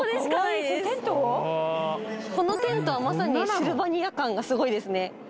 このテントはまさにシルバニア感がすごいですね